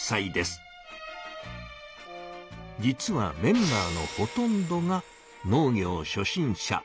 実はメンバーのほとんどが農業初心者。